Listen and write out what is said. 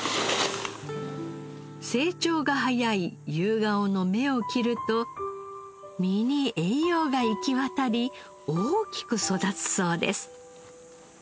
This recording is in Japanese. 成長が早いユウガオの芽を切ると実に栄養が行き渡り大きく育つそうです。